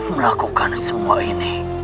melakukan semua ini